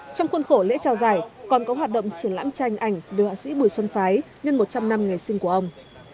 trong khuôn khổ lễ trao giải còn có hoạt động triển lãm tranh ảnh về họa sĩ bùi xuân phái nhân một trăm linh năm ngày sinh của ông